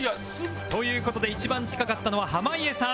という事で一番近かったのは濱家さん